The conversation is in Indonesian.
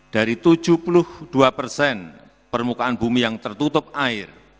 dari tujuh puluh dua persen permukaan bumi yang tertutup air